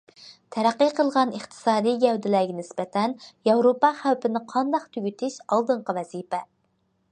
تەرەققىي قىلغان ئىقتىسادىي گەۋدىلەرگە نىسبەتەن، ياۋروپا خەۋپىنى قانداق تۈگىتىش ئالدىنقى ۋەزىپە.